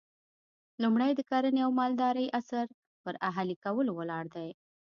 لومړی د کرنې او مالدارۍ عصر پر اهلي کولو ولاړ دی